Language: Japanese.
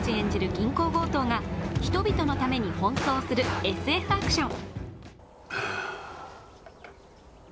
銀行強盗が人々のために奔走するＳＦアクション。